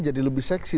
jadi lebih seksi